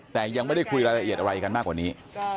แต่ยังไม่ได้คุยรายละเอียดอะไรกันมากกว่านี้